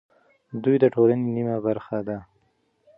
دوی د ټولنې نیمه برخه ده.